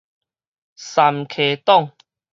三 K 黨